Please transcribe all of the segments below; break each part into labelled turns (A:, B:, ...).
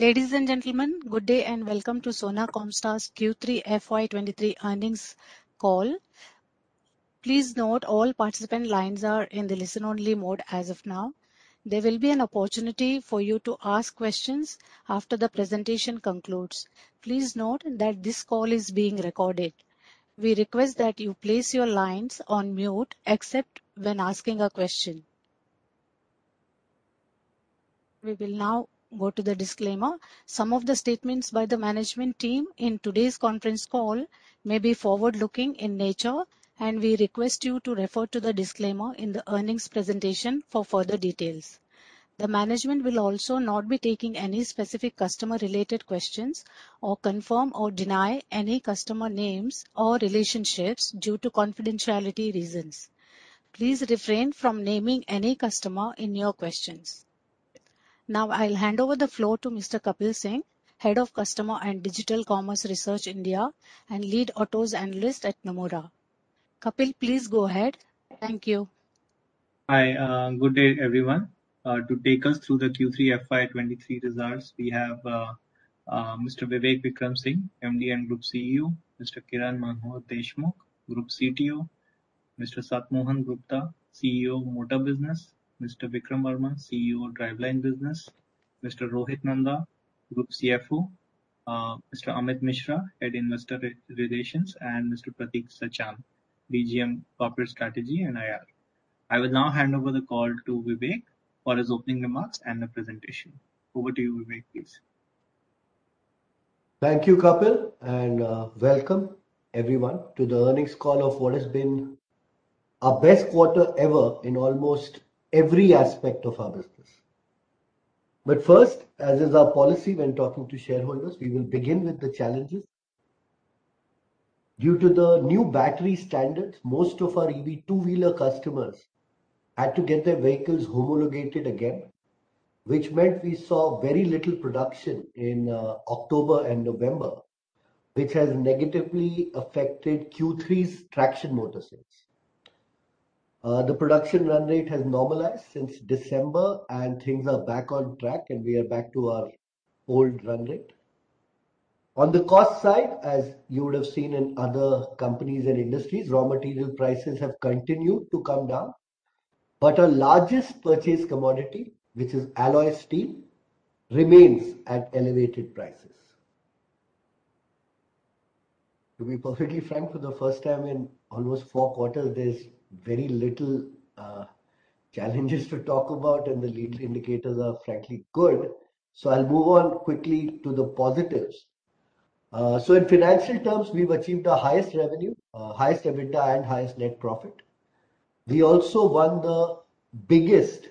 A: Ladies and gentlemen, good day and welcome to Sona Comstar's Q3 FY23 earnings call. Please note all participant lines are in the listen-only mode as of now. There will be an opportunity for you to ask questions after the presentation concludes. Please note that this call is being recorded. We request that you place your lines on mute except when asking a question. We will now go to the disclaimer. Some of the statements by the management team in today's conference call may be forward-looking in nature, and we request you to refer to the disclaimer in the earnings presentation for further details. The management will also not be taking any specific customer-related questions or confirm or deny any customer names or relationships due to confidentiality reasons. Please refrain from naming any customer in your questions. I'll hand over the floor to Mr. Kapil Singh, Head of Customer and Digital Commerce Research India and Lead Autos Analyst at Nomura. Kapil, please go ahead. Thank you.
B: Hi. Good day, everyone. To take us through the Q3 FY23 results, we have Mr. Vivek Vikram Singh, MD and Group CEO; Mr. Kiran Manohar Deshmukh, Group CTO; Mr. Sat Mohan Gupta, CEO Motor Business; Mr. Vikram Verma, CEO Driveline Business; Mr. Rohit Nanda, Group CFO; Mr. Amit Mishra, Head Investor Relations; and Mr. Pratik Sachan, BGM Corporate Strategy and IR. I will now hand over the call to Vivek for his opening remarks and the presentation. Over to you, Vivek, please.
C: Thank you, Kapil, welcome, everyone, to the earnings call of what has been our best quarter ever in almost every aspect of our business. First, as is our policy when talking to shareholders, we will begin with the challenges. Due to the new battery standards, most of our EV two-wheeler customers had to get their vehicles homologated again, which meant we saw very little production in October and November, which has negatively affected Q3's traction motor sales. The production run rate has normalized since December. Things are back on track. We are back to our old run rate. On the cost side, as you would have seen in other companies and industries, raw material prices have continued to come down. Our largest purchase commodity, which is alloy steel, remains at elevated prices. To be perfectly frank, for the first time in almost four quarters, there's very little challenges to talk about, and the lead indicators are frankly good, so I'll move on quickly to the positives. In financial terms, we've achieved our highest revenue, highest EBITDA, and highest net profit. We also won the biggest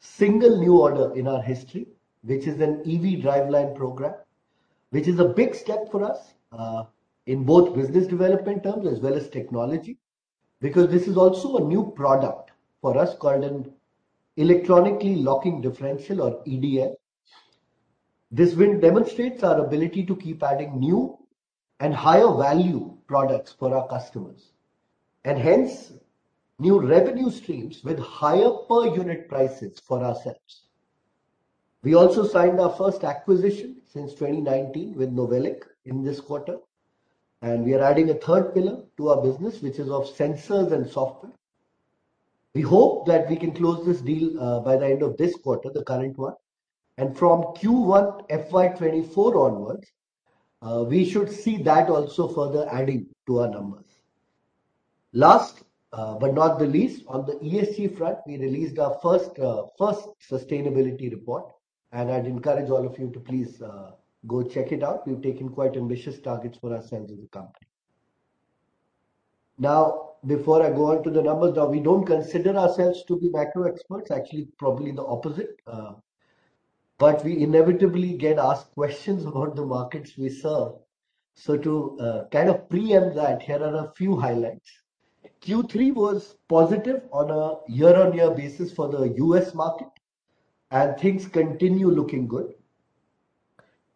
C: single new order in our history, which is an EV driveline program, which is a big step for us, in both business development terms as well as technology, because this is also a new product for us called an electronically locking differential or EDL. This win demonstrates our ability to keep adding new and higher value products for our customers, and hence new revenue streams with higher per unit prices for ourselves. We also signed our first acquisition since 2019 with Novelic in this quarter. We are adding a third pillar to our business, which is of sensors and software. We hope that we can close this deal by the end of this quarter, the current one. From Q1 FY 2024 onwards, we should see that also further adding to our numbers. Last, but not the least, on the ESG front, we released our first sustainability report. I'd encourage all of you to please go check it out. We've taken quite ambitious targets for ourselves as a company. Now, before I go on to the numbers. Now, we don't consider ourselves to be macro experts, actually probably the opposite. We inevitably get asked questions about the markets we serve. To kind of preempt that, here are a few highlights. Q3 was positive on a year-over-year basis for the U.S. market, things continue looking good.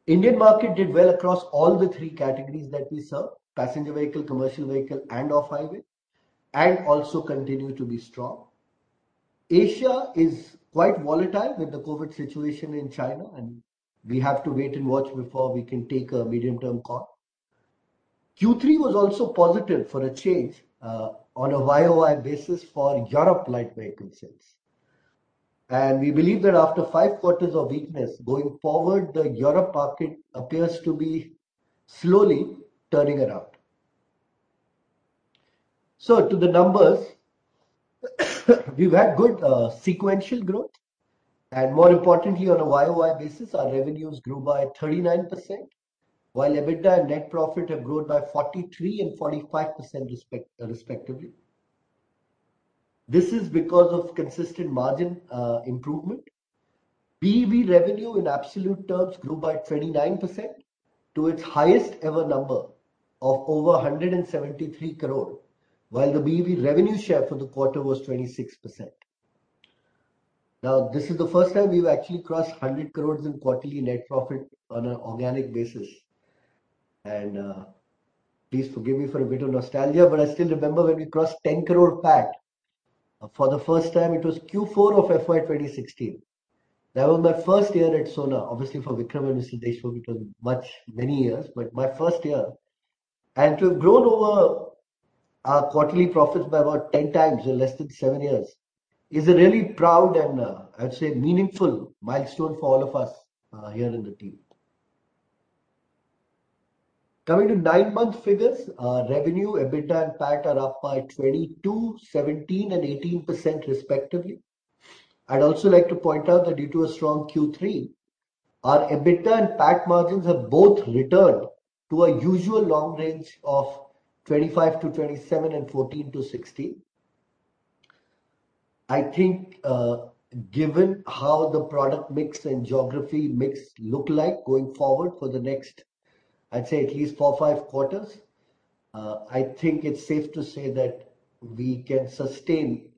C: Indian market did well across all the three categories that we serve, passenger vehicle, commercial vehicle, and off-highway, and also continue to be strong. Asia is quite volatile with the COVID situation in China, we have to wait and watch before we can take a medium-term call. Q3 was also positive for a change on a YOY basis for Europe light vehicle sales. We believe that after five quarters of weakness, going forward, the Europe market appears to be slowly turning around. To the numbers, we've had good sequential growth, and more importantly, on a YOY basis, our revenues grew by 39%, while EBITDA and net profit have grown by 43% and 45%, respectively. This is because of consistent margin improvement. BEV revenue in absolute terms grew by 29% to its highest ever number of over 173 crore, while the BEV revenue share for the quarter was 26%. This is the first time we've actually crossed 100 crore in quarterly net profit on an organic basis. Please forgive me for a bit of nostalgia, but I still remember when we crossed 10 crore PAT. For the first time, it was Q4 of FY 2016. That was my first year at Sona. Obviously, for Vikram and Mr. Deshmukh, it was many years, but my first year. To have grown over our quarterly profits by about 10 times in less than 7 years is a really proud, and I'd say, meaningful milestone for all of us here in the team. Coming to nine-month figures, our revenue, EBITDA and PAT are up by 22%, 17%, and 18% respectively. I'd also like to point out that due to a strong Q3, our EBITDA and PAT margins have both returned to our usual long range of 25%-27% and 14%-16%. I think, given how the product mix and geography mix look like going forward for the next, I'd say, at least four or five quarters, I think it's safe to say that we can sustain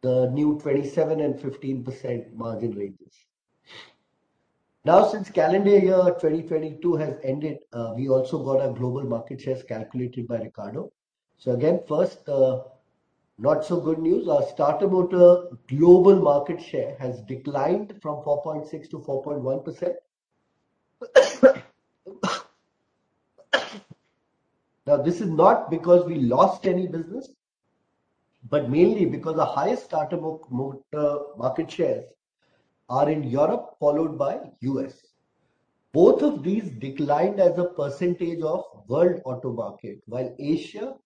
C: the new 27% and 15% margin ranges. Since calendar year 2022 has ended, we also got our global market shares calculated by Ricardo. Again, first, not so good news. Our starter motor global market share has declined from 4.6% to 4.1%. This is not because we lost any business, but mainly because our highest starter motor market shares are in Europe, followed by U.S. Both of these declined as a percentage of world auto market, while Asia,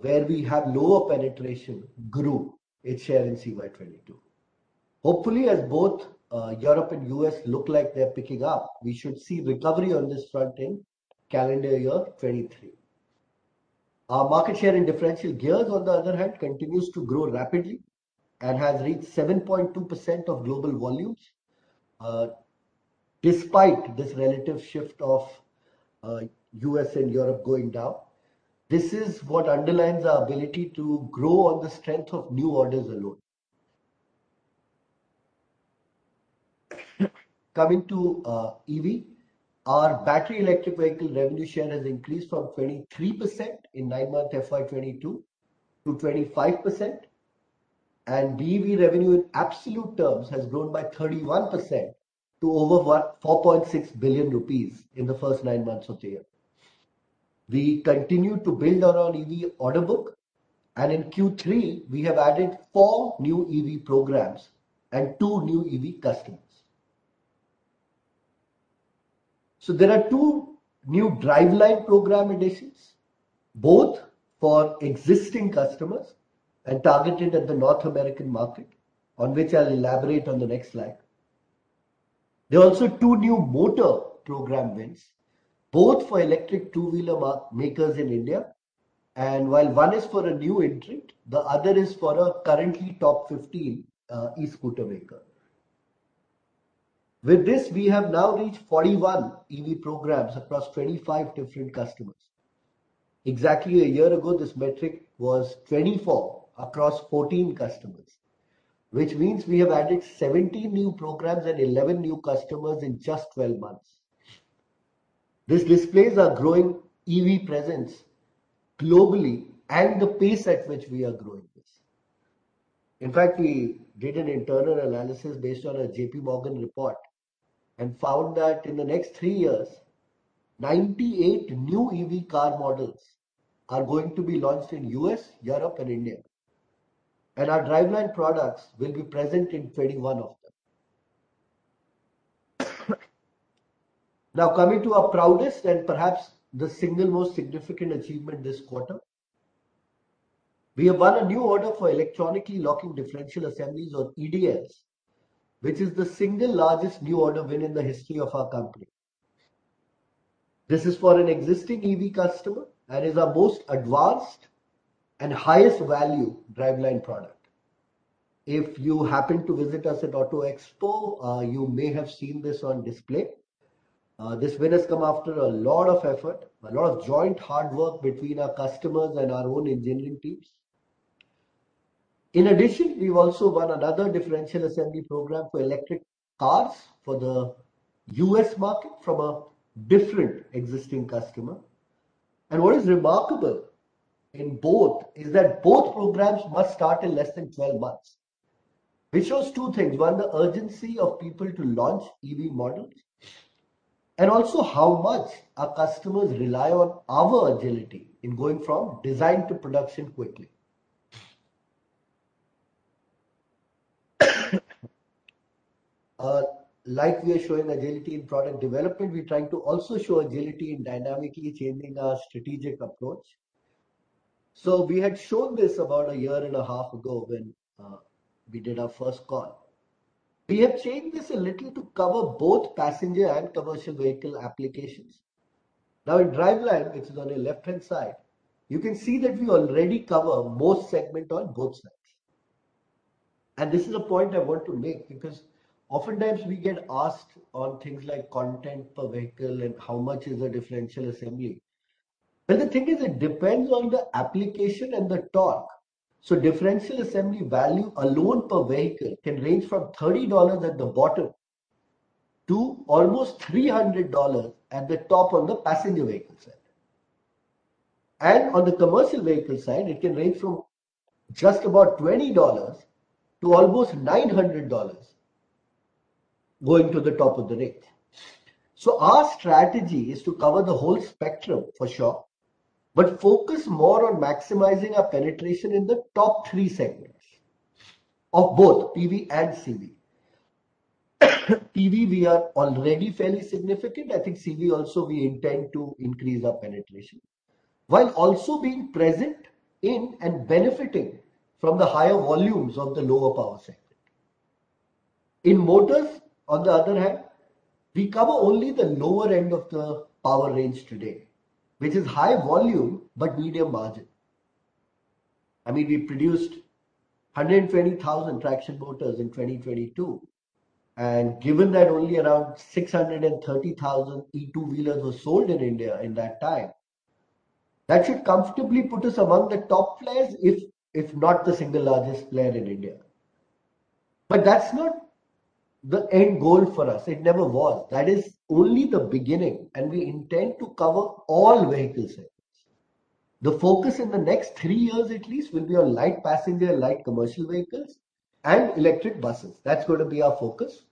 C: where we have lower penetration, grew its share in CY 2022. Hopefully, as both Europe and U.S. look like they're picking up, we should see recovery on this front in calendar year 2023. Our market share in differential gears, on the other hand, continues to grow rapidly and has reached 7.2% of global volumes, despite this relative shift of U.S. and Europe going down. This is what underlines our ability to grow on the strength of new orders alone. Coming to EV. Our battery electric vehicle revenue share has increased from 23% in 9-month FY22 to 25%, and BEV revenue in absolute terms has grown by 31% to over 4.6 billion rupees in the first 9 months of the year. We continued to build on our EV order book. In Q3 we have added four new EV programs and two new EV customers. There are two new driveline program additions, both for existing customers and targeted at the North American market, on which I'll elaborate on the next slide. There are also two new motor program wins, both for electric two wheelers makers in India. While one is for a new entrant, the other is for a currently top 15 e-scooter maker. With this, we have now reached 41 EV programs across 25 different customers. Exactly a year ago, this metric was 24 across 14 customers, which means we have added 17 new programs and 11 new customers in just 12 months. This displays our growing EV presence globally and the pace at which we are growing this. In fact, we did an internal analysis based on a JP Morgan report and found that in the next 3 years, 98 new EV car models are going to be launched in U.S., Europe and India, and our driveline products will be present in 31 of them. Coming to our proudest and perhaps the single most significant achievement this quarter. We have won a new order for electronically locking differential assemblies or EDLs, which is the single largest new order win in the history of our company. This is for an existing EV customer and is our most advanced and highest value driveline product. If you happen to visit us at Auto Expo, you may have seen this on display. This win has come after a lot of effort, a lot of joint hard work between our customers and our own engineering teams. In addition, we've also won another differential assembly program for electric cars for the U.S. market from a different existing customer. What is remarkable in both is that both programs must start in less than 12 months. Which shows two things. One, the urgency of people to launch EV models and also how much our customers rely on our agility in going from design to production quickly. Like we are showing agility in product development, we're trying to also show agility in dynamically changing our strategic approach. We had shown this about a year and a half ago when we did our first call. We have changed this a little to cover both passenger and commercial vehicle applications. In driveline, which is on your left-hand side, you can see that we already cover most segment on both sides. This is a point I want to make because oftentimes we get asked on things like content per vehicle and how much is a differential assembly? The thing is, it depends on the application and the torque. Differential assembly value alone per vehicle can range from $30 at the bottom to almost $300 at the top on the passenger vehicle side. On the commercial vehicle side, it can range from just about $20 to almost $900 going to the top of the range. Our strategy is to cover the whole spectrum for sure, but focus more on maximizing our penetration in the top three segments of both PV and CV. PV, we are already fairly significant. I think CV also, we intend to increase our penetration, while also being present in and benefiting from the higher volumes of the lower power segment. In motors, on the other hand, we cover only the lower end of the power range today, which is high volume but medium margin. I mean, we produced 120,000 traction motors in 2022, and given that only around 630,000 E-two wheelers were sold in India in that time, that should comfortably put us among the top players, if not the single largest player in India. That's not the end goal for us. It never was. That is only the beginning. We intend to cover all vehicle segments. The focus in the next three years at least will be on light passenger, light commercial vehicles and electric buses. That's gonna be our focus.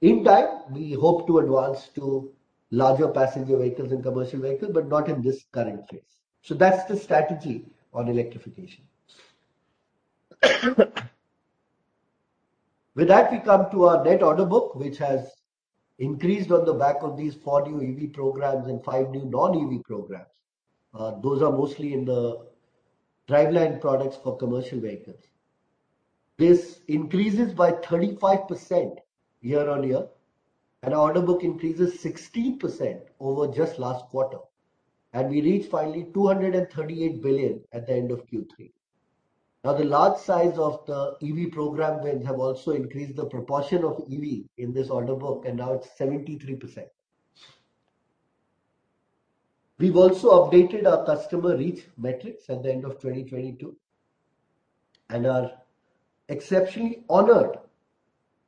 C: In time, we hope to advance to larger passenger vehicles and commercial vehicles, but not in this current phase. That's the strategy on electrification. With that, we come to our net order book, which has increased on the back of these four new EV programs and five new non-EV programs. Those are mostly in the driveline products for commercial vehicles. This increases by 35% year-on-year. Order book increases 60% over just last quarter. We reach finally 238 billion at the end of Q3. The large size of the EV program wins have also increased the proportion of EV in this order book, and now it's 73%. We've also updated our customer reach metrics at the end of 2022 and are exceptionally honored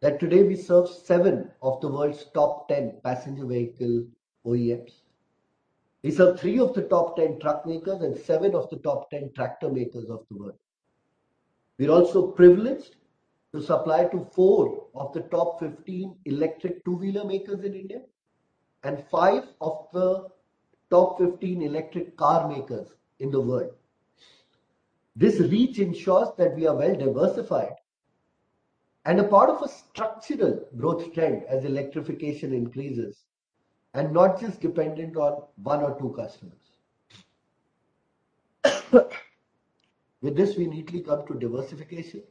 C: that today we serve 7 of the world's top 10 passenger vehicle OEMs. We serve 3 of the top 10 truck makers and 7 of the top 10 tractor makers of the world. We're also privileged to supply to 4 of the top 15 electric two-wheeler makers in India and 5 of the top 15 electric car makers in the world. This reach ensures that we are well diversified and a part of a structural growth trend as electrification increases and not just dependent on one or two customers. We neatly come to diversification.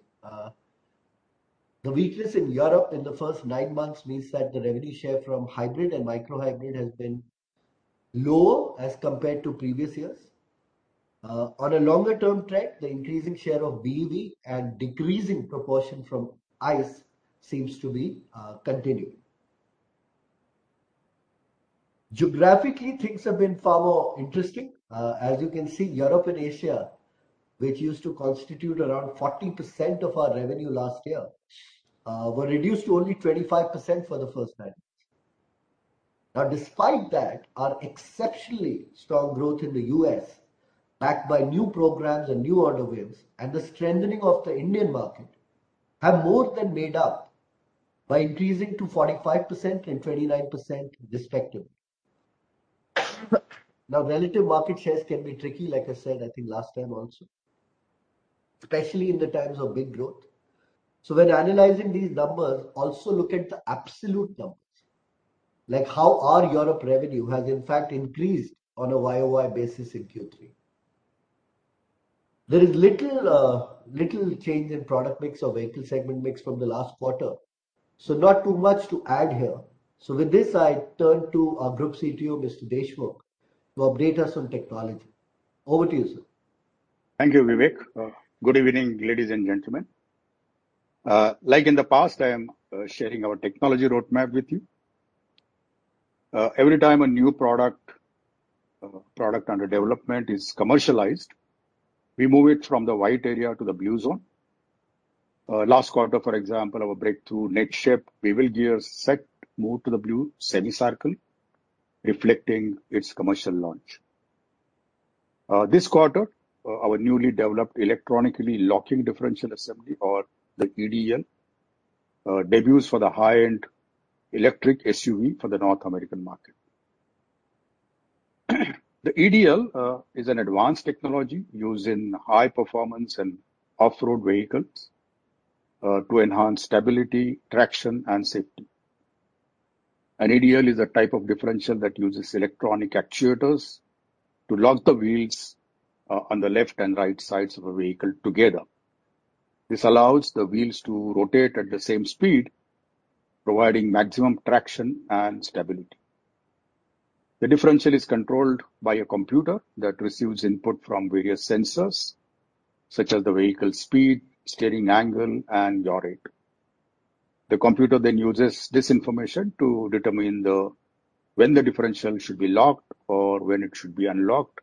C: The weakness in Europe in the first nine months means that the revenue share from hybrid and micro hybrid has been lower as compared to previous years. On a longer term trend, the increasing share of BEV and decreasing proportion from ICE seems to be continuing. Geographically, things have been far more interesting. As you can see, Europe and Asia, which used to constitute around 40% of our revenue last year, were reduced to only 25% for the first nine months. Despite that, our exceptionally strong growth in the US, backed by new programs and new order wins and the strengthening of the Indian market, have more than made up by increasing to 45% and 29% respectively. Relative market shares can be tricky, like I said, I think last time also, especially in the times of big growth. When analyzing these numbers, also look at the absolute numbers, like how our Europe revenue has in fact increased on a YOY basis in Q3. There is little change in product mix or vehicle segment mix from the last quarter, not too much to add here. With this, I turn to our group CTO, Mr. Deshmukh, to update us on technology. Over to you, sir.
D: Thank you, Vivek. Good evening, ladies and gentlemen. Like in the past, I am sharing our technology roadmap with you. Every time a new product under development is commercialized, we move it from the white area to the blue zone. Last quarter, for example, our breakthrough Net-Shaped bevel gear set moved to the blue semicircle, reflecting its commercial launch. This quarter, our newly developed electronically locking differential assembly or the EDL, debuts for the high-end electric SUV for the North American market. The EDL is an advanced technology used in high-performance and off-road vehicles to enhance stability, traction, and safety. An EDL is a type of differential that uses electronic actuators to lock the wheels on the left and right sides of a vehicle together. This allows the wheels to rotate at the same speed, providing maximum traction and stability. The differential is controlled by a computer that receives input from various sensors, such as the vehicle speed, steering angle, and yaw rate. The computer then uses this information to determine when the differential should be locked or when it should be unlocked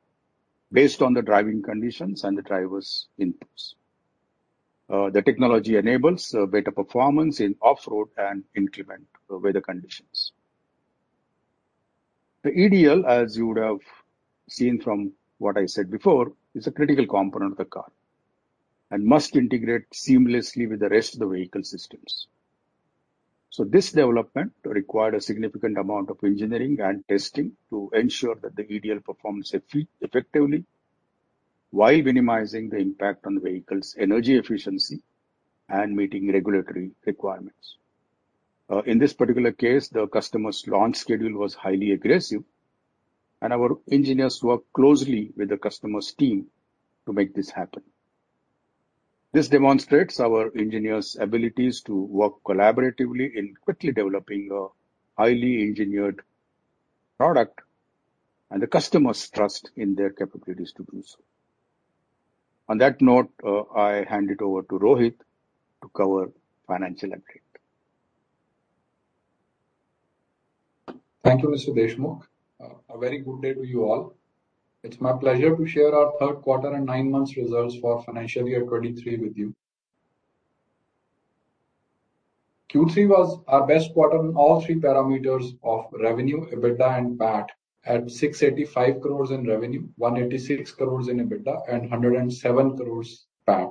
D: based on the driving conditions and the driver's inputs. The technology enables better performance in off-road and inclement weather conditions. The EDL, as you would have seen from what I said before, is a critical component of the car and must integrate seamlessly with the rest of the vehicle systems. This development required a significant amount of engineering and testing to ensure that the EDL performs effectively while minimizing the impact on the vehicle's energy efficiency and meeting regulatory requirements. In this particular case, the customer's launch schedule was highly aggressive and our engineers worked closely with the customer's team to make this happen. This demonstrates our engineers' abilities to work collaboratively in quickly developing a highly engineered product and the customer's trust in their capabilities to do so. On that note, I hand it over to Rohit to cover financial update.
E: Thank you, Mr. Deshmukh. A very good day to you all. It's my pleasure to share our third quarter and nine months results for financial year 2023 with you. Q3 was our best quarter in all three parameters of revenue, EBITDA and PAT at 685 crores in revenue, 186 crores in EBITDA and 107 crores PAT.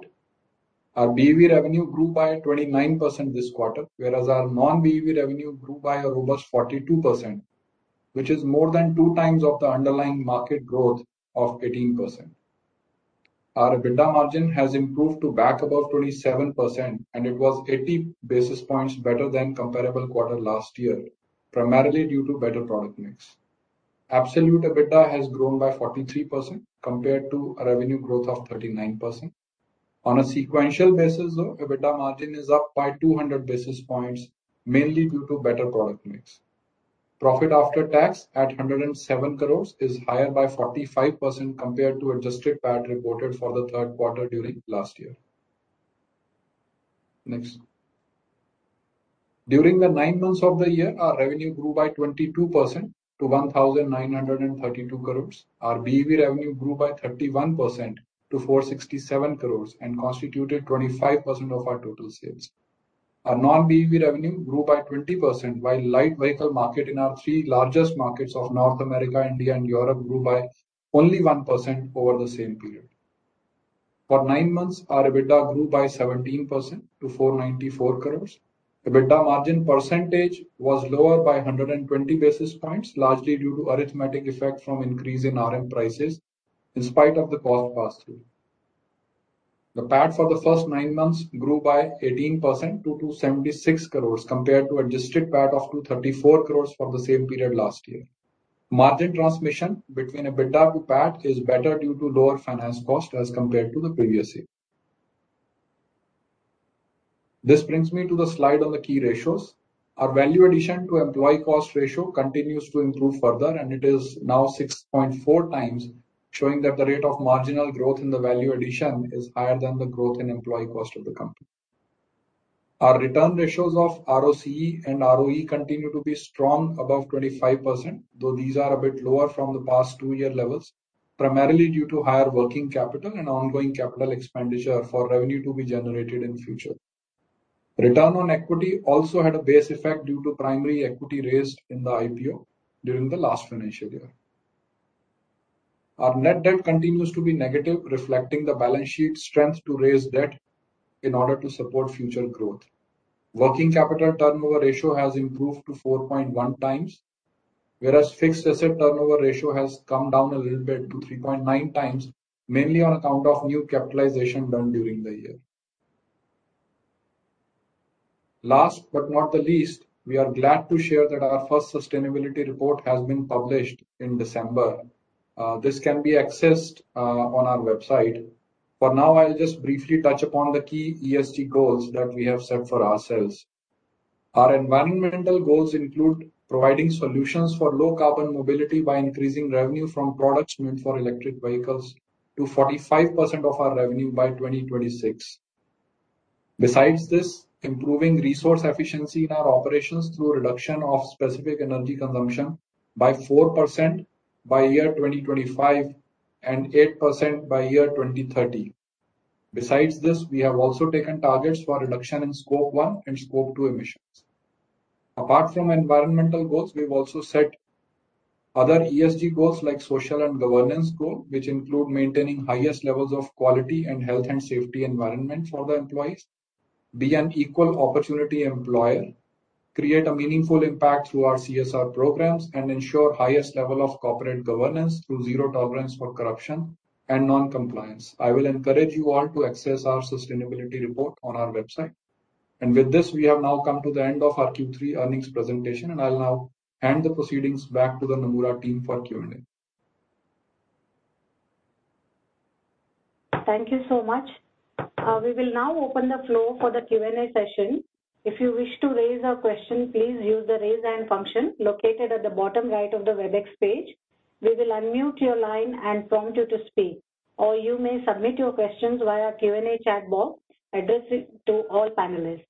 E: Our BEV revenue grew by 29% this quarter, whereas our non-BEV revenue grew by a robust 42%, which is more than 2 times of the underlying market growth of 18%. Our EBITDA margin has improved to back above 27%, and it was 80 basis points better than comparable quarter last year, primarily due to better product mix. Absolute EBITDA has grown by 43% compared to a revenue growth of 39%. On a sequential basis, though, EBITDA margin is up by 200 basis points, mainly due to better product mix. Profit after tax at 107 crores is higher by 45% compared to adjusted PAT reported for the third quarter during last year. Next. During the 9 months of the year, our revenue grew by 22% to 1,932 crores. Our BEV revenue grew by 31% to 467 crores and constituted 25% of our total sales. Our non-BEV revenue grew by 20%, while light vehicle market in our 3 largest markets of North America, India and Europe grew by only 1% over the same period. For 9 months, our EBITDA grew by 17% to 494 crores. EBITDA margin % was lower by 120 basis points, largely due to arithmetic effect from increase in RM prices in spite of the cost pass-through. The PAT for the first nine months grew by 18% to 276 crores compared to adjusted PAT of 234 crores for the same period last year. Margin transmission between EBITDA to PAT is better due to lower finance cost as compared to the previous year. This brings me to the slide on the key ratios. Our value addition to employee cost ratio continues to improve further, and it is now 6.4 times, showing that the rate of marginal growth in the value addition is higher than the growth in employee cost of the company. Our return ratios of ROCE and ROE continue to be strong above 25%, though these are a bit lower from the past 2-year levels, primarily due to higher working capital and ongoing CapEx for revenue to be generated in future. Return on equity also had a base effect due to primary equity raised in the IPO during the last financial year. Our net debt continues to be negative, reflecting the balance sheet strength to raise debt in order to support future growth. Working capital turnover ratio has improved to 4.1 times, whereas fixed asset turnover ratio has come down a little bit to 3.9 times, mainly on account of new capitalization done during the year. Last but not the least, we are glad to share that our first sustainability report has been published in December. This can be accessed on our website. For now, I'll just briefly touch upon the key ESG goals that we have set for ourselves. Our environmental goals include providing solutions for low carbon mobility by increasing revenue from products meant for electric vehicles to 45% of our revenue by 2026. Besides this, improving resource efficiency in our operations through reduction of specific energy consumption by 4% by year 2025 and 8% by year 2030. Besides this, we have also taken targets for reduction in Scope 1 and Scope 2 emissions. Apart from environmental goals, we've also set other ESG goals like social and governance goal, which include maintaining highest levels of quality and health and safety environment for the employees, be an equal opportunity employer, create a meaningful impact through our CSR programs, and ensure highest level of corporate governance through zero tolerance for corruption and non-compliance. I will encourage you all to access our sustainability report on our website. With this, we have now come to the end of our Q3 earnings presentation, and I'll now hand the proceedings back to the Nomura team for Q&A.
A: Thank you so much. We will now open the floor for the Q&A session. If you wish to raise a question, please use the raise hand function located at the bottom right of the Webex page. We will unmute your line and prompt you to speak. You may submit your questions via Q&A chat box addressing to all panelists.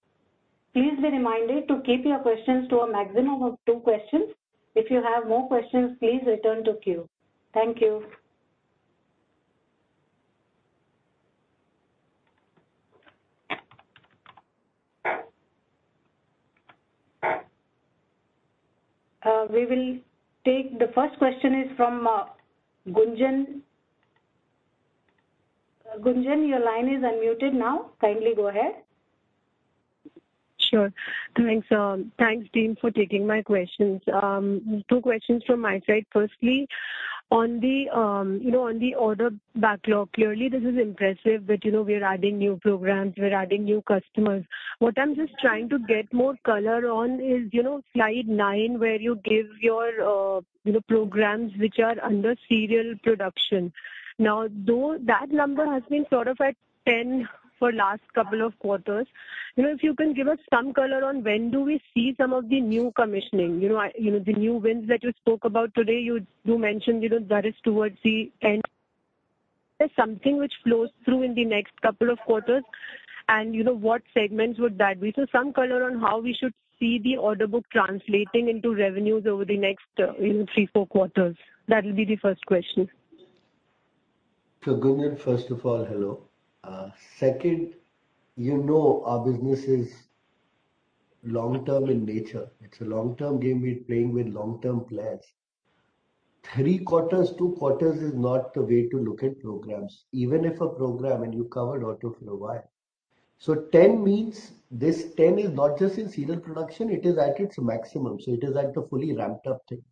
A: Please be reminded to keep your questions to a maximum of 2 questions. If you have more questions, please return to queue. Thank you. The first question is from Gunjan. Gunjan, your line is unmuted now. Kindly go ahead.
F: Sure. Thanks, thanks team for taking my questions. Two questions from my side. Firstly, on the, you know, on the order backlog. Clearly this is impressive that, you know, we are adding new programs, we're adding new customers. What I'm just trying to get more color on is, you know, slide 9, where you give your, you know, programs which are under serial production. Now, though that number has been sort of at 10 for last couple of quarters, you know, if you can give us some color on when do we see some of the new commissioning, you know, the new wins that you spoke about today, you mentioned, you know, that is towards the end. There's something which flows through in the next couple of quarters. What segments would that be? some color on how we should see the order book translating into revenues over the next, you know, three, four quarters. That'll be the first question.
C: Gunjan, first of all, hello. Second, you know, our business is long-term in nature. It's a long-term game we're playing with long-term plans. 3 quarters, 2 quarters is not the way to look at programs. Even if a program, and you covered auto for a while. 10 means, this 10 is not just in serial production, it is at its maximum, so it is at the fully ramped up thing.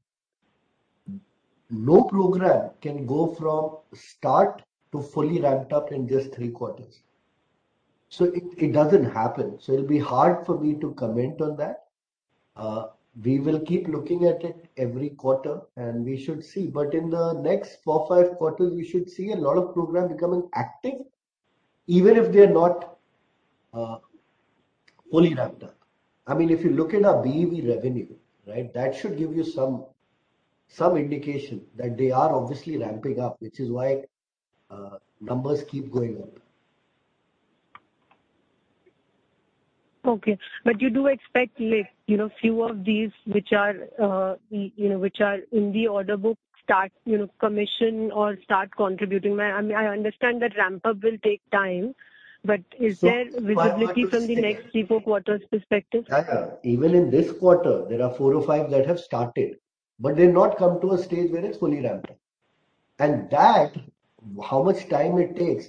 C: No program can go from start to fully ramped up in just 3 quarters. It doesn't happen, so it'll be hard for me to comment on that. We will keep looking at it every quarter and we should see. In the next 4, 5 quarters, we should see a lot of program becoming active, even if they're not fully ramped up. I mean, if you look at our BEV revenue, right? That should give you some indication that they are obviously ramping up, which is why numbers keep going up.
F: You do expect like, you know, few of these which are, you know, which are in the order book start, you know, commission or start contributing. I understand that ramp up will take time, but is there visibility from the next three, four quarters perspective?
C: Yeah. Even in this quarter, there are four or five that have started, but they've not come to a stage where it's fully ramped up. That, how much time it takes,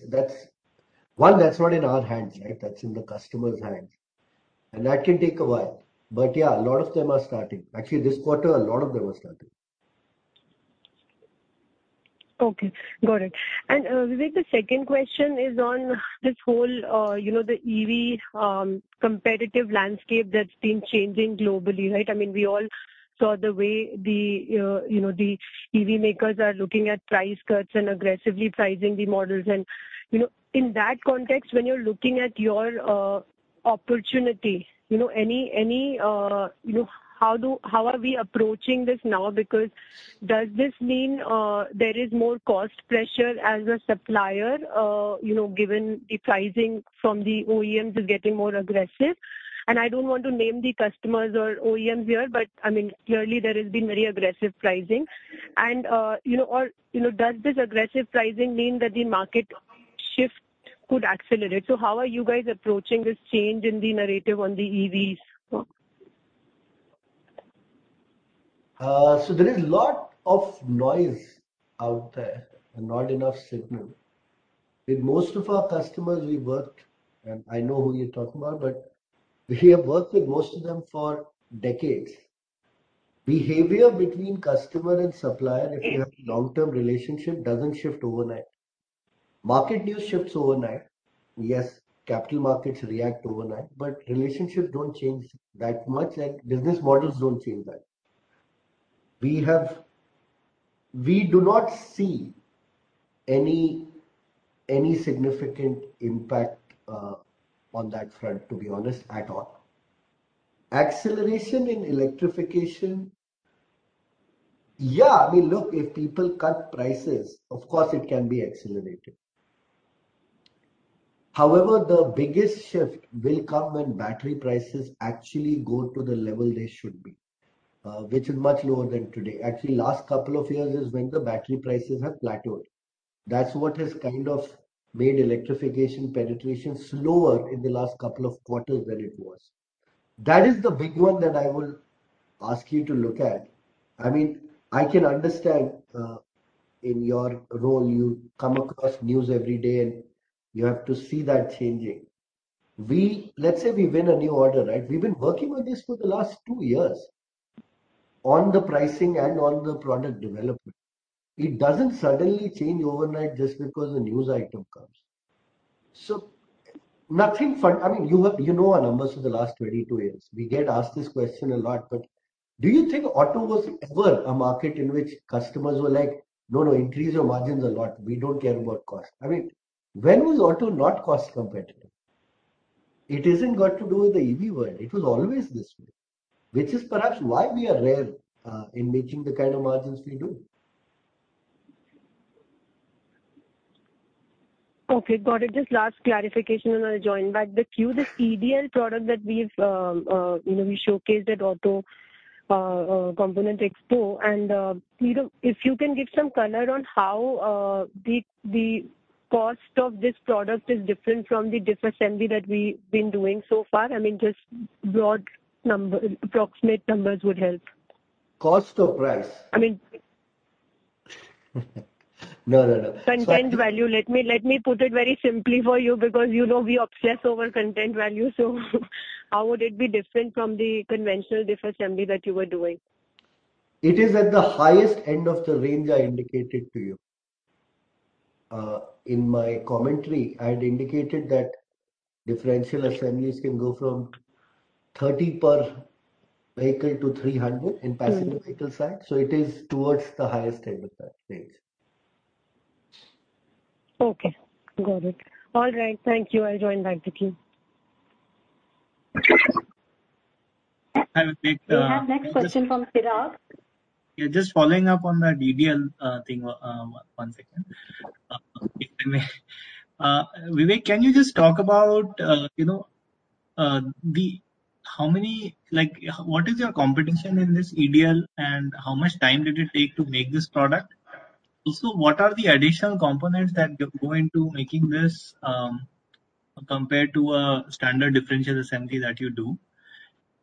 C: one, that's not in our hands, right? That's in the customer's hands. That can take a while. Yeah, a lot of them are starting. Actually, this quarter, a lot of them are starting.
F: Okay, got it. Vivek, the second question is on this whole, you know, the EV competitive landscape that's been changing globally, right? I mean, we all saw the way the, you know, the EV makers are looking at price cuts and aggressively pricing the models. You know, in that context, when you're looking at your opportunity, you know, any, you know, how are we approaching this now? Does this mean there is more cost pressure as a supplier, you know, given the pricing from the OEMs is getting more aggressive? I don't want to name the customers or OEMs here, but I mean, clearly there has been very aggressive pricing and, you know, or, you know, does this aggressive pricing mean that the market shift could accelerate? How are you guys approaching this change in the narrative on the EVs?
C: There is lot of noise out there and not enough signal. With most of our customers we've worked, and I know who you're talking about, but we have worked with most of them for decades. Behavior between customer and supplier, if you have long-term relationship, doesn't shift overnight. Market news shifts overnight. Yes, capital markets react overnight, but relationships don't change that much, and business models don't change that. We do not see any significant impact on that front, to be honest, at all. Acceleration in electrification. Yeah. I mean, look, if people cut prices, of course it can be accelerated. However, the biggest shift will come when battery prices actually go to the level they should be, which is much lower than today. Actually, last couple of years is when the battery prices have plateaued. That's what has kind of made electrification penetration slower in the last couple of quarters than it was. That is the big one that I will ask you to look at. I mean, I can understand, in your role, you come across news every day and you have to see that changing. Let's say we win a new order, right? We've been working on this for the last two years, on the pricing and on the product development. It doesn't suddenly change overnight just because a news item comes. Nothing, I mean, you have, you know our numbers for the last 22 years. We get asked this question a lot, do you think auto was ever a market in which customers were like, "No, no, increase your margins a lot. We don't care about cost." I mean, when was auto not cost competitive? It isn't got to do with the EV world. It was always this way, which is perhaps why we are rare, in making the kind of margins we do.
F: Okay, got it. Just last clarification and I'll join back the queue. The EDL product that we've, you know, we showcased at Auto Expo Components and, you know, if you can give some color on how the cost of this product is different from the diff assembly that we've been doing so far. I mean, just broad numbers, approximate numbers would help.
C: Cost or price?
F: I mean...
C: No, no.
F: Content value. Let me put it very simply for you because you know we obsess over content value. How would it be different from the conventional diff assembly that you were doing?
C: It is at the highest end of the range I indicated to you. In my commentary, I had indicated that differential assemblies can go from $30 per vehicle to $300 in passenger-
F: Mm-hmm.
C: Vehicle side, it is towards the highest end of that range.
F: Okay, got it. All right, thank you. I'll join back the queue.
C: Okay.
A: We have next question from Kirat.
G: Yeah, just following up on the DDL thing, one second. If I may. Vivek, can you just talk about, you know, what is your competition in this EDL and how much time did it take to make this product? What are the additional components that go into making this compared to a standard differential assembly that you do?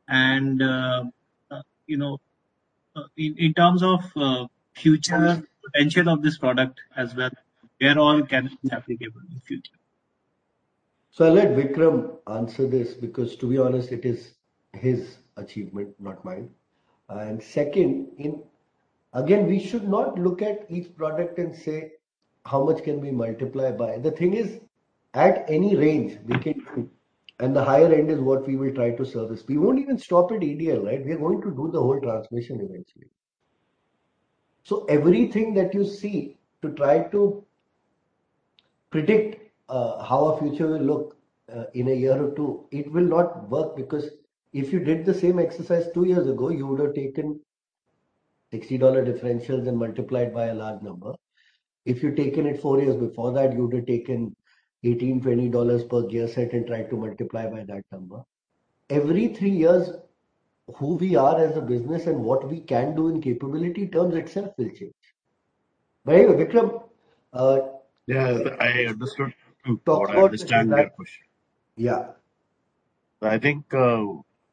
G: In terms of future potential of this product as well, where all can it be applicable in future?
C: I'll let Vikram answer this because to be honest, it is his achievement, not mine. Second, Again, we should not look at each product and say, "How much can we multiply by?" The thing is, at any range, we can compete, and the higher end is what we will try to service. We won't even stop at EDL, right? We are going to do the whole transmission eventually. Everything that you see to try to predict how our future will look in a year or two, it will not work because if you did the same exercise two years ago, you would have taken $60 differentials and multiplied by a large number. If you'd taken it four years before that, you would have taken $18-$20 per gear set and tried to multiply by that number. Every three years, who we are as a business and what we can do in capability terms itself will change. Anyway, Vikram.
H: Yeah, I understood.
C: Talk about-
H: I understand your question.
C: Yeah.
H: I think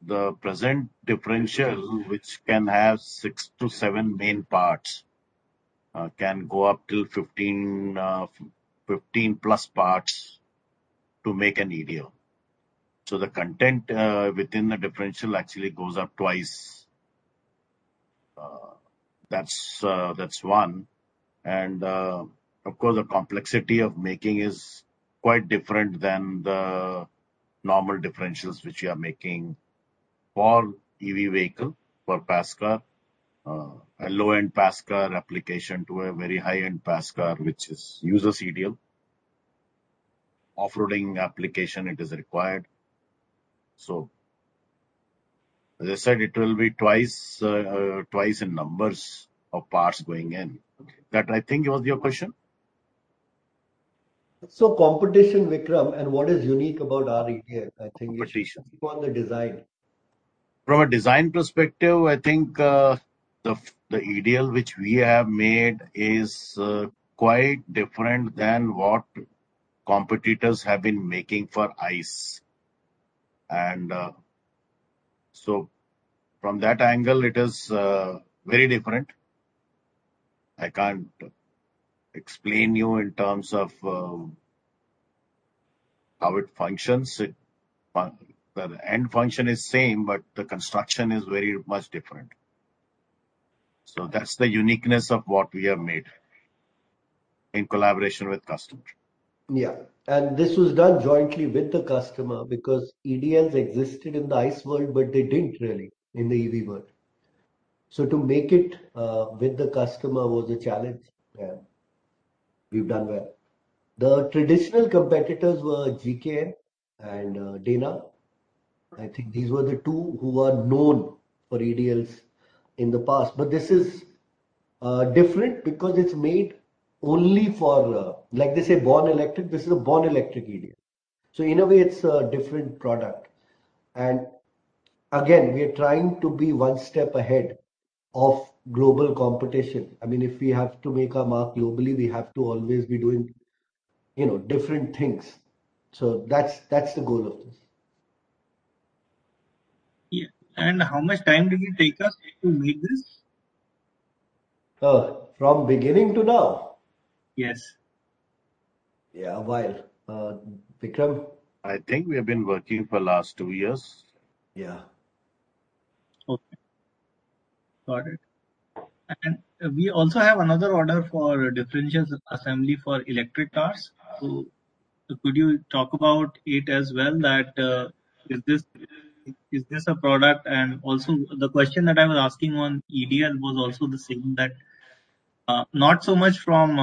H: the present differential, which can have 6 to 7 main parts, can go up to 15 plus parts to make an EDL. The content within the differential actually goes up twice. That's one, of course, the complexity of making is quite different than the normal differentials which we are making for EV vehicle, for PAS car. A low-end PAS car application to a very high-end PAS car uses EDL. Off-roading application it is required. As I said, it will be twice in numbers of parts going in.
C: Okay.
H: That I think was your question.
C: Competition, Vikram, and what is unique about our EDL.
H: Competition.
C: is on the design.
H: From a design perspective, I think, the EDL which we have made is quite different than what competitors have been making for ICE. From that angle, it is very different. I can't explain you in terms of how it functions. Well, the end function is same, but the construction is very much different. That's the uniqueness of what we have made in collaboration with customer.
C: Yeah. This was done jointly with the customer because EDLs existed in the ICE world, but they didn't really in the EV world. To make it with the customer was a challenge, and we've done well. The traditional competitors were GKN and Dana. I think these were the two who were known for EDLs in the past. This is different because it's made only for, like they say, born electric. This is a born electric EDL. In a way it's a different product. Again, we are trying to be one step ahead of global competition. I mean, if we have to make our mark globally, we have to always be doing, you know, different things. That's, that's the goal of this.
G: Yeah. How much time did it take us to make this?
C: From beginning to now?
G: Yes.
C: Yeah, a while. Vikram?
H: I think we have been working for last two years.
C: Yeah.
G: Okay. Got it. We also have another order for differential assembly for electric cars. Could you talk about it as well that is this a product? Also the question that I was asking on EDL was also the same, not so much from,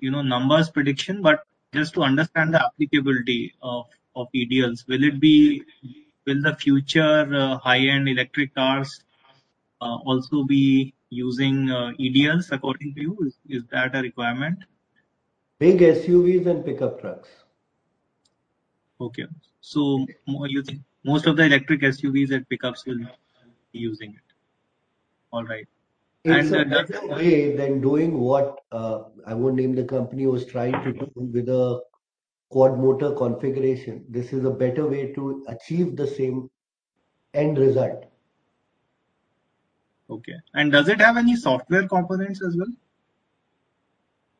G: you know, numbers prediction, but just to understand the applicability of EDLs. Will the future high-end electric cars also be using EDLs according to you? Is that a requirement?
C: Big SUVs and pickup trucks.
G: Okay. You think most of the electric SUVs and pickups will be using it? All right.
C: It's a better way than doing what, I won't name the company, was trying to do with a quad motor configuration. This is a better way to achieve the same end result.
G: Okay. Does it have any software components as well?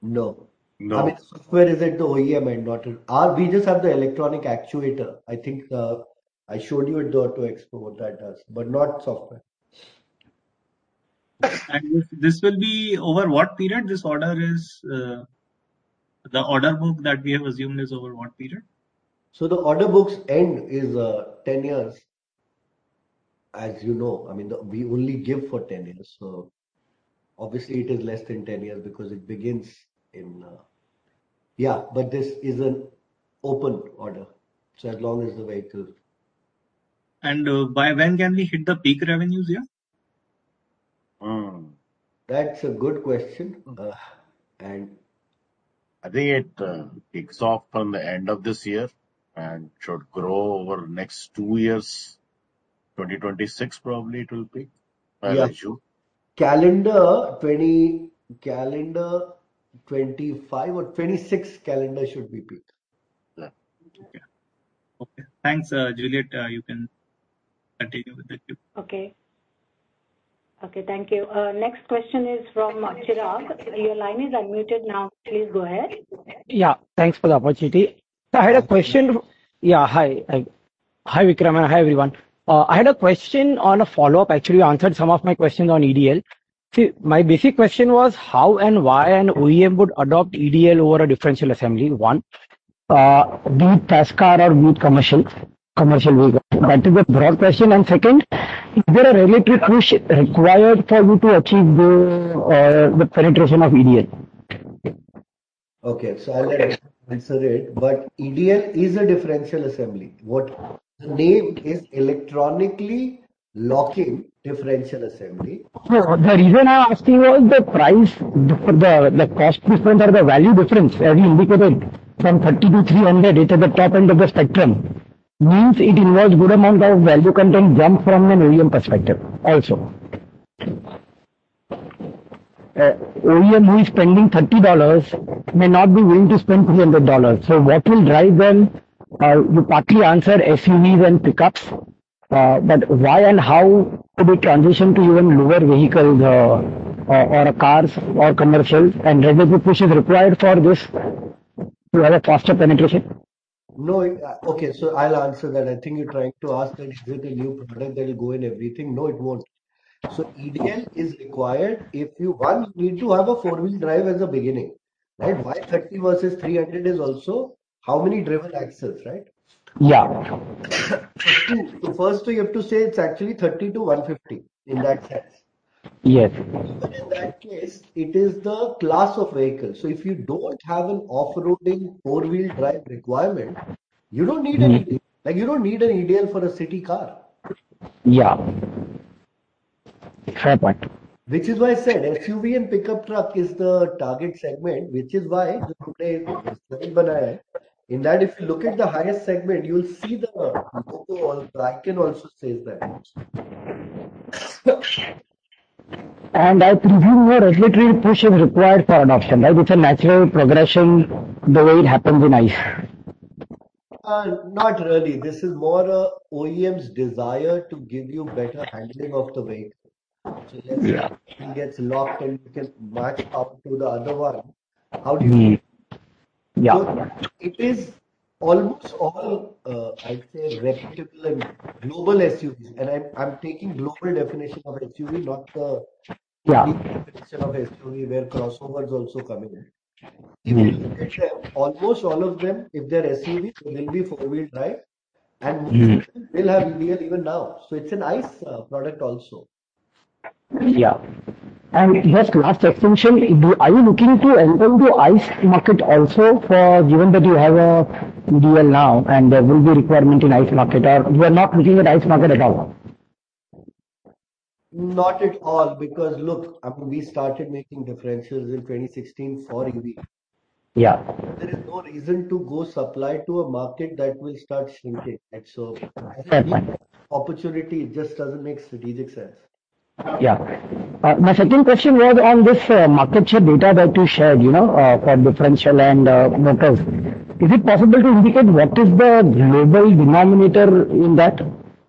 C: No.
G: No.
C: I mean, software is at the OEM end, not at. We just have the electronic actuator. I think I showed you at the Auto Expo what that does, but not software.
G: This will be over what period, this order is, the order book that we have assumed is over what period?
C: The order book's end is 10 years, as you know. I mean, we only give for 10 years, so obviously it is less than 10 years because it begins in... Yeah, this is an open order, so as long as the vehicle...
G: By when can we hit the peak revenues here?
C: That's a good question.
H: I think it kicks off from the end of this year and should grow over next 2 years. 2026 probably it will peak.
C: Yeah.
H: I assume.
C: Calendar 2025 or 2026 calendar should be peak.
H: Yeah.
G: Okay. Okay. Thanks, Juliet. You can continue with the queue.
A: Okay. Okay, thank you. Next question is from Chirag. Your line is unmuted now, please go ahead.
I: Yeah, thanks for the opportunity. I had a question-
C: Hi.
I: Yeah, hi. Hi, Vikram, and hi, everyone. I had a question on a follow-up. Actually, you answered some of my questions on EDL. See, my basic question was: how and why an OEM would adopt EDL over a differential assembly, one, be it fast car or be it commercial vehicle? That is a broad question. Second, is there a regulatory push required for you to achieve the penetration of EDL?
C: I'll let Ashish answer it. EDL is a differential assembly. The name is electronically locking differential assembly.
I: No, the reason I'm asking you is the price, the cost difference or the value difference, as you indicated, from 30 to 300, it is at the top end of the spectrum, means it involves good amount of value content jump from an OEM perspective also. OEM who is spending $30 may not be willing to spend $300. What will drive them? You partly answered SUVs and pickups. Why and how could they transition to even lower vehicles, or cars or commercial? Regulatory push is required for this to have a faster penetration.
C: No, okay, I'll answer that. I think you're trying to ask that, is it a new product that will go in everything? No, it won't. EDL is required if you, one, need to have a four-wheel drive as a beginning, right? Why $30 versus $300 is also how many driven axles, right?
I: Yeah.
C: First you have to say it's actually $30-$150 in that sense.
I: Yes.
C: In that case, it is the class of vehicles. If you don't have an off-roading four-wheel drive requirement, you don't need anything.
I: Mm-hmm.
C: Like, you don't need an EDL for a city car.
I: Yeah. Fair point.
C: Which is why I said SUV and pickup truck is the target segment, which is why speak in foreign language in that if you look at the highest segment, you'll see the logo on. BorgWarner also says that.
I: I presume no regulatory push is required for adoption, right? It's a natural progression the way it happens in ICE.
C: Not really. This is more a OEM's desire to give you better handling of the vehicle.
I: Yeah.
C: Let's say one gets locked and you can match up to the other one.
I: Mm-hmm. Yeah.
C: It is almost all, I'd say reputable and global SUVs. I'm taking global definition of SUV.
I: Yeah.
C: big definition of SUV where crossover is also coming in.
I: Mm-hmm.
C: Almost all of them, if they're SUVs, they'll be four-wheel drive.
I: Mm-hmm.
C: Many of them will have EDL even now. It's a nice product also.
I: Yeah. Just to ask extension, are you looking to enter the ICE market also for... Given that you have a EDL now and there will be requirement in ICE market or you are not looking at ICE market at all?
C: Not at all. Look, I mean, we started making differentials in 2016 for EV.
I: Yeah.
C: There is no reason to go supply to a market that will start shrinking. Right.
I: Fair point.
C: Opportunity, it just doesn't make strategic sense.
I: Yeah. My second question was on this market share data that you shared, you know, for differential and motors. Is it possible to indicate what is the global denominator in that?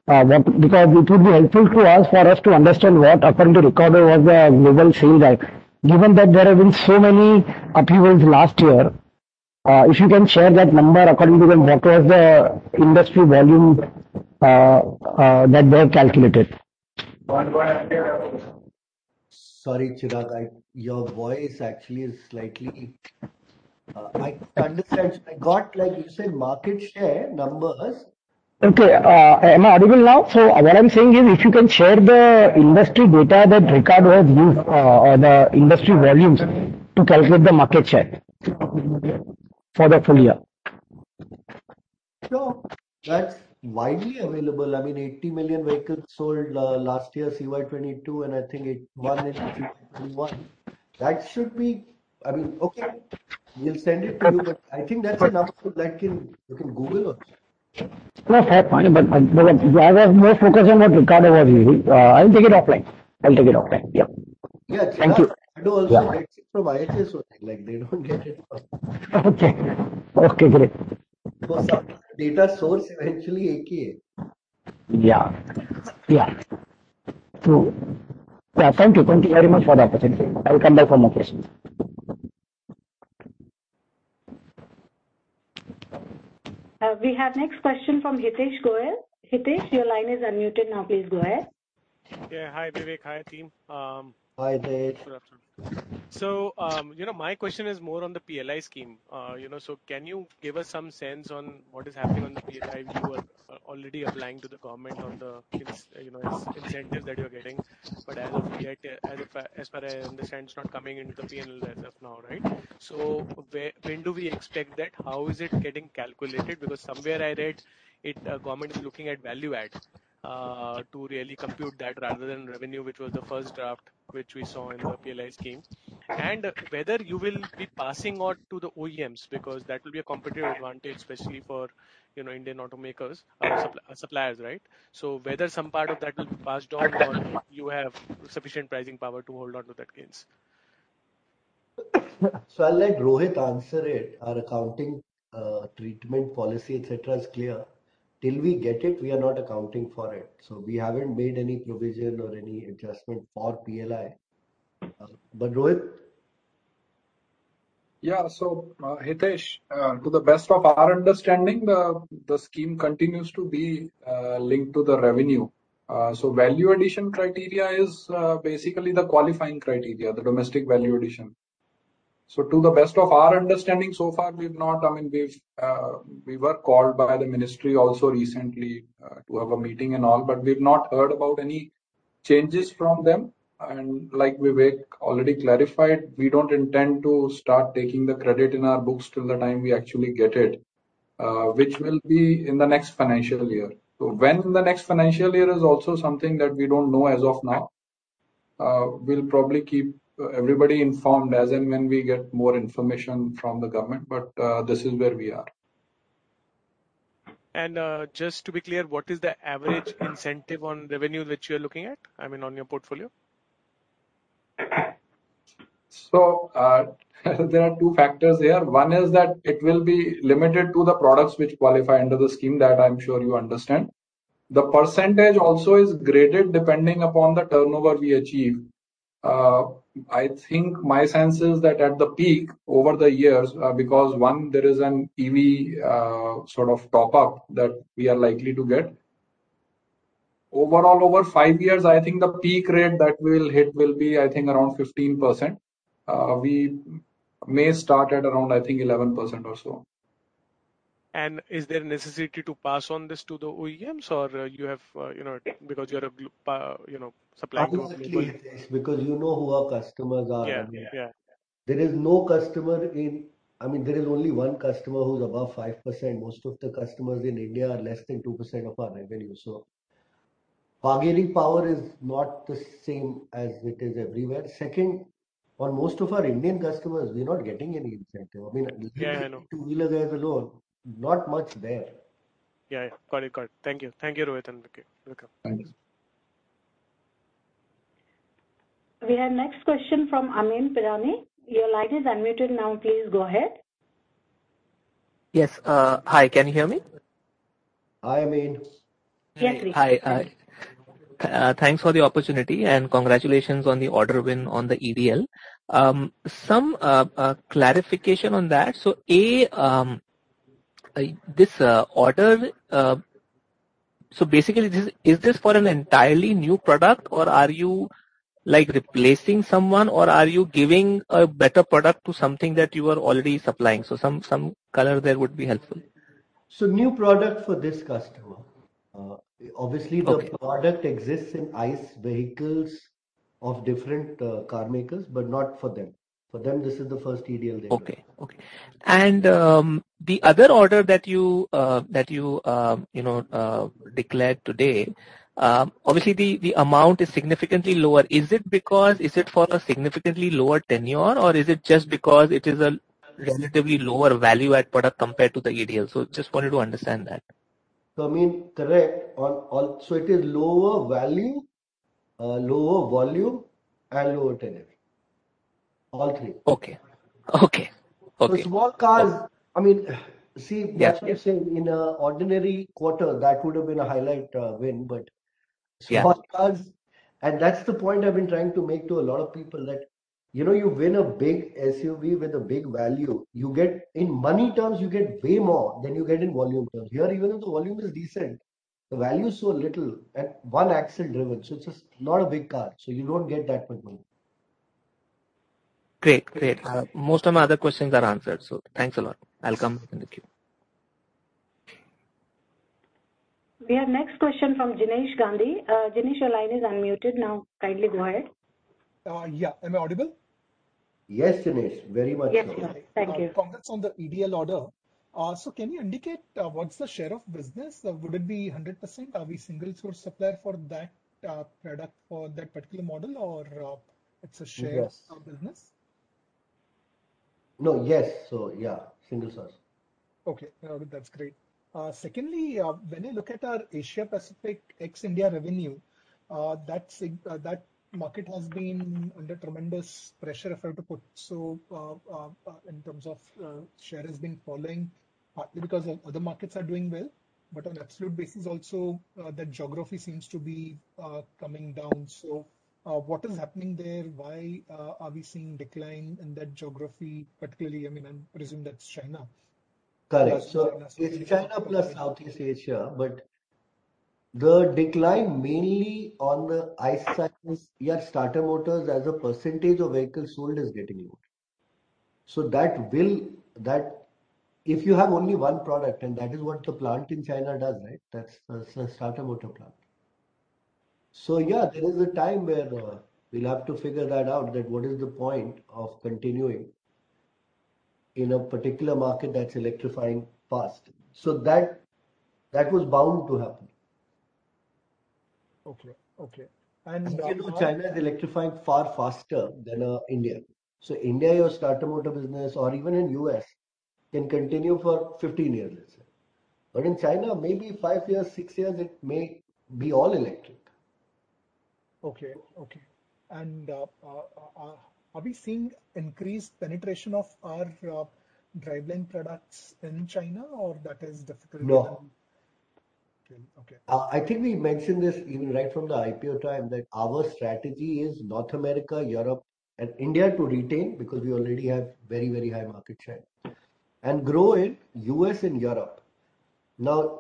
I: Because it would be helpful to us for us to understand what according to Ricardo was the global sales are. Given that there have been so many upheavals last year, if you can share that number according to the... What was the industry volume that were calculated?
H: One more.
C: Sorry, Chirag. Your voice actually is slightly. I understand. I got, like you said, market share numbers.
I: Okay. Am I audible now? What I'm saying is, if you can share the industry data that Ricardo has used, or the industry volumes to calculate the market share for the full year.
C: Sure. That's widely available. I mean, 80 million vehicles sold, last year, CY 2022. I mean, okay, we'll send it to you. I think that's enough to, like, you can Google also.
I: No, fair point. I was more focused on what Ricardo was using. I'll take it offline. I'll take it offline. Yeah.
C: Yeah.
I: Thank you.
C: You know, also gets it from IHS also. Like, they don't get it from...
I: Okay. Okay, great.
C: Because data source eventually.
I: Yeah. Yeah. Yeah, thank you. Thank you very much for the opportunity. I will come back for more questions.
A: We have next question from Hitesh Goel. Hitesh, your line is unmuted now. Please go ahead.
J: Hi, Vivek. Hi, team.
C: Hi, Hitesh.
J: Good afternoon. You know, my question is more on the PLI scheme. You know, can you give us some sense on what is happening on the PLI? You are already applying to the government on the, you know, incentive that you're getting. As of yet, as far as I understand, it's not coming into the P&L as of now, right? When do we expect that? How is it getting calculated? Somewhere I read it, government is looking at value add to really compute that rather than revenue, which was the first draft which we saw in the PLI scheme. Whether you will be passing on to the OEMs, because that will be a competitive advantage, especially for, you know, Indian automakers or suppliers, right? Whether some part of that will be passed on or you have sufficient pricing power to hold on to that gains.
C: I'll let Rohit answer it. Our accounting, treatment policy, et cetera, is clear. Till we get it, we are not accounting for it. We haven't made any provision or any adjustment for PLI. Rohit.
E: Hitesh, to the best of our understanding, the scheme continues to be linked to the revenue. Value addition criteria is basically the qualifying criteria, the domestic value addition. To the best of our understanding so far, we've not... I mean, we were called by the ministry also recently, to have a meeting and all, but we've not heard about any changes from them. Like Vivek already clarified, we don't intend to start taking the credit in our books till the time we actually get it, which will be in the next financial year. The next financial year is also something that we don't know as of now. We'll probably keep everybody informed as and when we get more information from the government. This is where we are.
J: Just to be clear, what is the average incentive on revenue that you're looking at, I mean, on your portfolio?
E: There are two factors here. One is that it will be limited to the products which qualify under the scheme, that I'm sure you understand. The percentage also is graded depending upon the turnover we achieve. I think my sense is that at the peak over the years, because, one, there is an EV, sort of top-up that we are likely to get. Overall, over five years, I think the peak rate that we'll hit will be, I think, around 15%. We may start at around, I think, 11% or so.
J: Is there a necessity to pass on this to the OEMs or you have, you know, because you're a you know, supplier?
C: Obviously it is, because you know who our customers are in India.
J: Yeah. Yeah.
C: There is no customer. I mean, there is only one customer who's above 5%. Most of the customers in India are less than 2% of our revenue. Bargaining power is not the same as it is everywhere. Second, on most of our Indian customers, we are not getting any incentive.
J: Yeah, I know.
C: Two-wheeler guys alone, not much there.
J: Yeah, Got it. Thank you, Rohit and Vivek. Welcome.
E: Thank you.
A: We have next question from Amyn Pirani. Your line is unmuted now. Please go ahead.
K: Yes. Hi, can you hear me?
C: Hi, Amyn.
A: Yes, we can.
K: Hi. Thanks for the opportunity, and congratulations on the order win on the EDL. Some clarification on that. A, this order, basically, is this for an entirely new product or are you, like, replacing someone or are you giving a better product to something that you are already supplying? Some color there would be helpful.
C: New product for this customer.
K: Okay.
C: The product exists in ICE vehicles of different car makers, but not for them. For them, this is the first EDL they have.
K: Okay. Okay. The other order that you know, declared today, obviously the amount is significantly lower. Is it because it is for a significantly lower tenure or is it just because it is a relatively lower value add product compared to the EDL? Just wanted to understand that.
C: Amyn, correct. It is lower value, lower volume and lower tenure. All three.
K: Okay. Okay. Okay.
C: Small cars, I mean,
K: Yeah.
C: That's why I'm saying in an ordinary quarter, that would have been a highlight, win, small cars. That's the point I've been trying to make to a lot of people that, you know, you win a big SUV with a big value, in money terms, you get way more than you get in volume terms. Here, even if the volume is decent. The value is so little and 1 axle driven, so it's just not a big car, so you don't get that much money.
K: Great. Great. Most of my other questions are answered. Thanks a lot. I'll come in the queue.
A: We have next question from Jinesh Gandhi. Jinesh, your line is unmuted now. Kindly go ahead.
L: Yeah. Am I audible?
C: Yes, Jinesh. Very much so.
A: Yes. Thank you.
L: Congrats on the EDL order. Can you indicate what's the share of business? Would it be 100%? Are we single source supplier for that product for that particular model or it's a?
C: Yes.
L: of business?
C: No. Yes. Yeah, single source.
L: Okay. That's great. Secondly, when you look at our Asia-Pacific ex-India revenue, that market has been under tremendous pressure, if I have to put, so, in terms of share has been falling, partly because other markets are doing well, but on absolute basis also, that geography seems to be coming down. What is happening there? Why are we seeing decline in that geography particularly? I mean, I presume that's China.
C: Correct. It's China plus Southeast Asia. The decline mainly on the ICEs, your starter motors as a percentage of vehicles sold is getting over. If you have only one product, and that is what the plant in China does, right? That's a, it's a starter motor plant. Yeah, there is a time where we'll have to figure that out, that what is the point of continuing in a particular market that's electrifying fast. That was bound to happen.
L: Okay. Okay.
C: You know, China is electrifying far faster than India. India, your starter motor business or even in U.S. can continue for 15 years or so. In China, maybe 5 years, 6 years, it may be all electric.
L: Okay. Okay. Are we seeing increased penetration of our driveline products in China or that is difficult?
C: No.
L: Okay. Okay.
C: I think we mentioned this even right from the IPO time, that our strategy is North America, Europe and India to retain, because we already have very, very high market share. Grow in U.S. and Europe.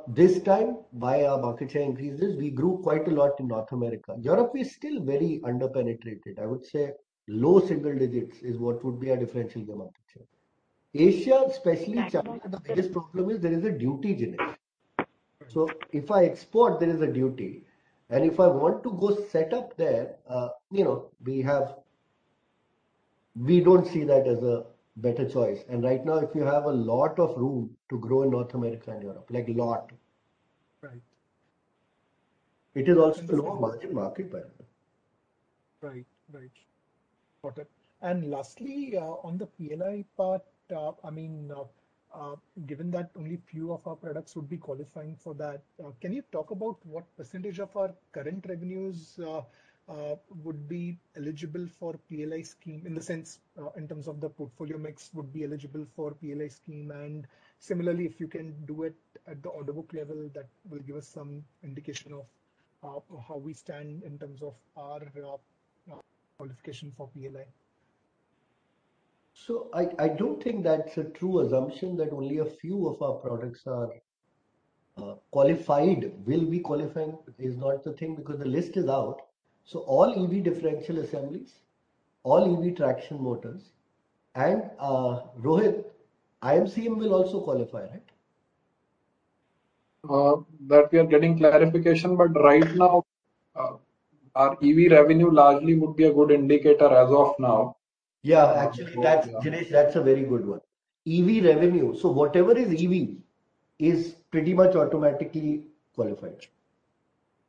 C: This time, by our market share increases, we grew quite a lot in North America. Europe is still very under-penetrated. I would say low single digits is what would be our differential in the market share. Asia, especially China. The biggest problem is there is a duty changes. If I export, there is a duty. If I want to go set up there, you know, we don't see that as a better choice. Right now, if you have a lot of room to grow in North America and Europe, like a lot.
L: Right.
C: It is also lower margin market, by the way.
L: Right. Right. Got it. Lastly, on the PLI part, I mean, given that only few of our products would be qualifying for that, can you talk about what percentage of our current revenues would be eligible for PLI scheme, in the sense, in terms of the portfolio mix would be eligible for PLI scheme? Similarly, if you can do it at the order book level, that will give us some indication of how we stand in terms of our qualification for PLI.
C: I don't think that's a true assumption that only a few of our products are qualified. Will be qualifying is not the thing because the list is out. All EV differential assemblies, all EV traction motors, and Rohit, IMCM will also qualify, right?
E: That we are getting clarification, but right now, our EV revenue largely would be a good indicator as of now.
C: Yeah. Actually, Jinesh, that's a very good one. EV revenue. Whatever is EV is pretty much automatically qualified.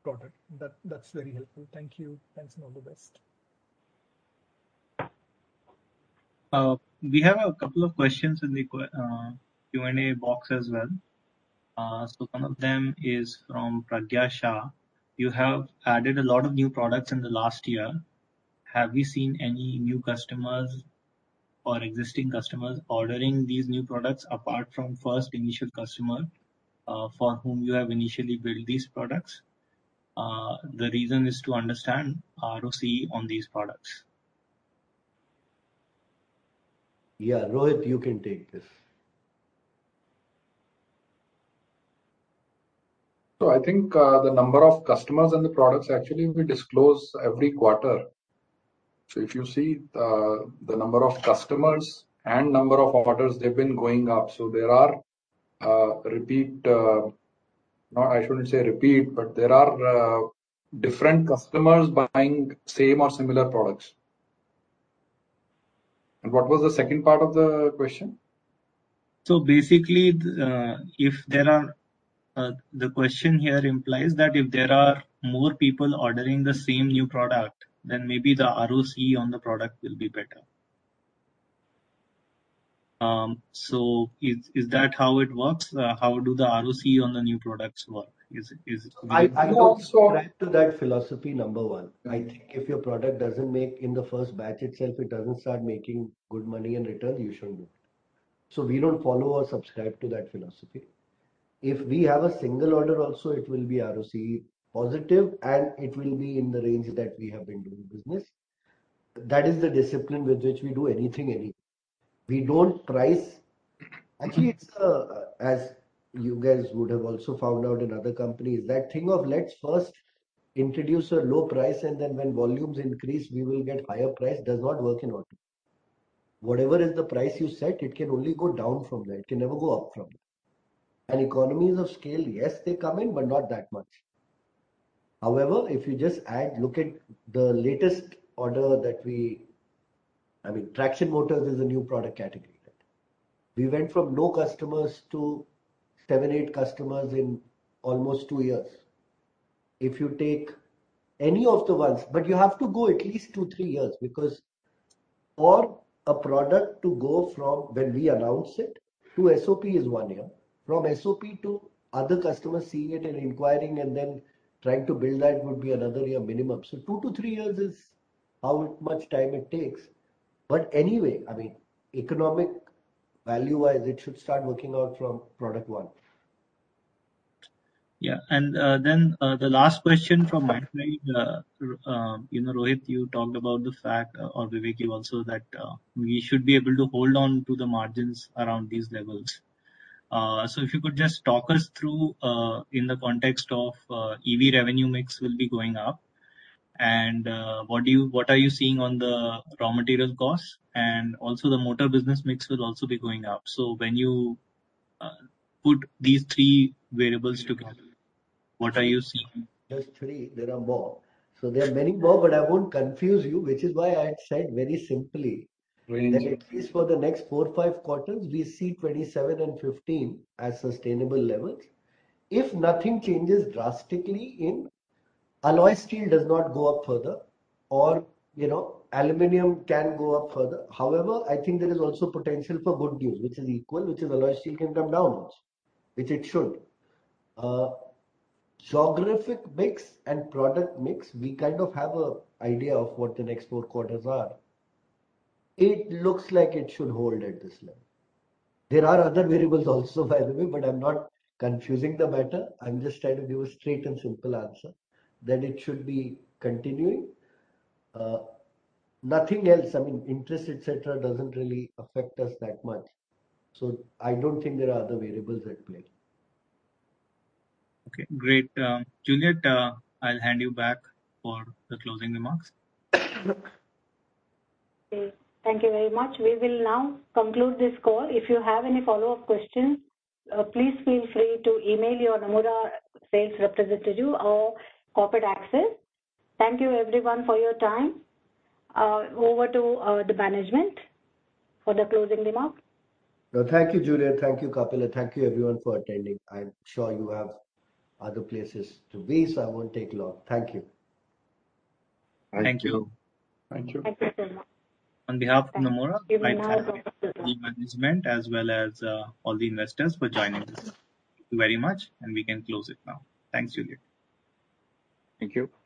L: Got it. That, that's very helpful. Thank you. Thanks and all the best.
B: We have a couple of questions in the Q&A box as well. One of them is from Pragya Shah. You have added a lot of new products in the last year. Have you seen any new customers or existing customers ordering these new products apart from first initial customer, for whom you have initially built these products? The reason is to understand ROC on these products.
C: Yeah. Rohit, you can take this.
E: I think the number of customers and the products actually we disclose every quarter. If you see, the number of customers and number of orders, they've been going up. There are repeat, no, I shouldn't say repeat, but there are different customers buying same or similar products. What was the second part of the question?
B: Basically, the question here implies that if there are more people ordering the same new product, then maybe the ROC on the product will be better. Is that how it works? How do the ROC on the new products work?
C: I don't subscribe to that philosophy, number one.
B: Right.
C: I think if your product doesn't make... in the first batch itself it doesn't start making good money and return, you shouldn't do it. We don't follow or subscribe to that philosophy. If we have a single order also, it will be ROC positive, and it will be in the range that we have been doing business. That is the discipline with which we do anything, anyway. We don't price... Actually, it's, as you guys would have also found out in other companies, that thing of let's first introduce a low price and then when volumes increase, we will get higher price, does not work in auto. Whatever is the price you set, it can only go down from there. It can never go up from there. Economies of scale, yes, they come in, but not that much. However, if you just add... Look at the latest order. I mean, traction motors is a new product category. We went from no customers to 7, 8 customers in almost 2 years. If you take any of the ones, but you have to go at least 2, 3 years because for a product to go from when we announce it to SOP is 1 year. From SOP to other customers seeing it and inquiring and then trying to build that would be another 1 year minimum. 2 to 3 years is how much time it takes. Anyway, I mean, economic value-wise, it should start working out from product 1.
B: Yeah. Then, the last question from my side, you know, Rohit, you talked about the fact, or Vivek you also, that, we should be able to hold on to the margins around these levels. If you could just talk us through, in the context of EV revenue mix will be going up and what are you seeing on the raw materials costs and also the motor business mix will also be going up. When you put these three variables together, what are you seeing?
C: Just three? There are more. There are many more, but I won't confuse you, which is why I said very simply-
B: Right.
C: That at least for the next four, five quarters, we see 27 and 15 as sustainable levels. If nothing changes drastically, alloy steel does not go up further or, you know, aluminum can go up further. I think there is also potential for good deals, which is equal, which is alloy steel can come down also, which it should. Geographic mix and product mix, we kind of have a idea of what the next four quarters are. It looks like it should hold at this level. There are other variables also, by the way, but I'm not confusing the matter. I'm just trying to give a straight and simple answer. It should be continuing. Nothing else. I mean, interest, et cetera, doesn't really affect us that much. I don't think there are other variables at play.
B: Okay, great. Juliet, I'll hand you back for the closing remarks.
A: Okay. Thank you very much. We will now conclude this call. If you have any follow-up questions, please feel free to email your Nomura sales representative or corporate access. Thank you everyone for your time. Over to the management for the closing remarks.
C: No, thank you, Juliet. Thank you, Kapil. Thank you everyone for attending. I'm sure you have other places to be, so I won't take long. Thank you.
B: Thank you.
M: Thank you.
A: Thank you so much.
B: On behalf of Nomura.
A: Thank you very much.
B: I thank the management as well as all the investors for joining us. Thank you very much. We can close it now. Thanks, Juliet.
C: Thank you.